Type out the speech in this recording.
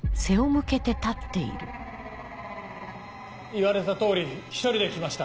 言われた通り１人で来ました。